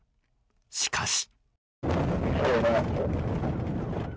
しかし。